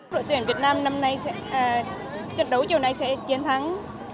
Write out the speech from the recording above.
đội tuyển việt nam năm nay sẽ trận đấu chiều này sẽ chiến thắng